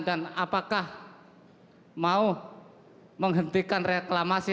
dan apakah mau menghentikan reklamasi